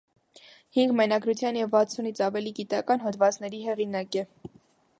Հինգ մենագրության և վաթսունից ավելի գիտական հոդվածների հեղինակ է։